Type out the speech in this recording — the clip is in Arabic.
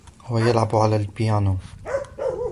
هو يلعب على البيانو.